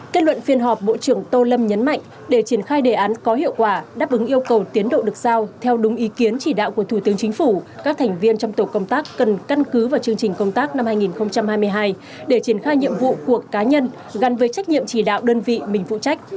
kết luận phiên họp bộ trưởng tô lâm nhấn mạnh để triển khai đề án có hiệu quả đáp ứng yêu cầu tiến độ được giao theo đúng ý kiến chỉ đạo của thủ tướng chính phủ các thành viên trong tổ công tác cần căn cứ vào chương trình công tác năm hai nghìn hai mươi hai để triển khai nhiệm vụ của cá nhân gắn với trách nhiệm chỉ đạo đơn vị mình phụ trách